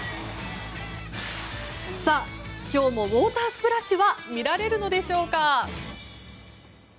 さあ、今日もウォータースプラッシュは見られるのでしょうか。